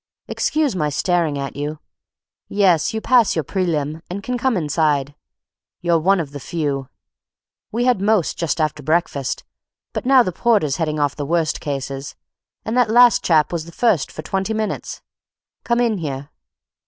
Excuse my staring at you. Yes, you pass your prelim., and can come inside; you're one of the few. We had most just after breakfast, but now the porter's heading off the worst cases, and that last chap was the first for twenty minutes. Come in here."